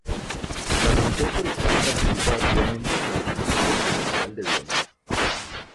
La Comisión Forestal participa activamente en la promoción del potencial de biomasa.